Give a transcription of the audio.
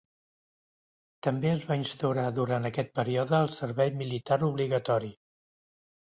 També es va instaurar durant aquest període el Servei militar obligatori.